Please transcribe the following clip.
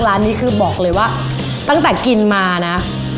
ร้านนี้คือบอกเลยว่าตั้งแต่กินมานะ